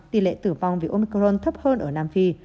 tỷ lệ tử vong vì omicron thấp hơn ở nam phi